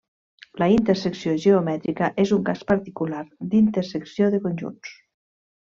La intersecció geomètrica és un cas particular d'intersecció de conjunts.